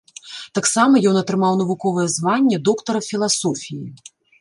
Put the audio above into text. Таксама ён атрымаў навуковае званне доктара філасофіі.